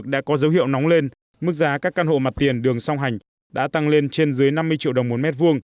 dấu hiệu nóng lên mức giá các căn hộ mặt tiền đường song hành đã tăng lên trên dưới năm mươi triệu đồng mỗi mét vuông